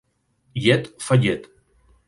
Llet fa llet.